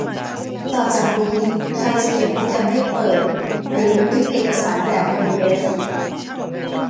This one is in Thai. ต่อจากนี้ ใครจะเขียนโปรแกรมให้เปิดหรือบันทึกเอกสารแบบโอดีเอฟ